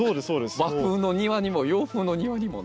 和風の庭にも洋風の庭にもね。